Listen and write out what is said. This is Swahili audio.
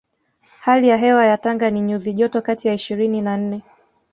Hali ya hewa ya Tanga ni nyuzi joto kati ya ishirini na nne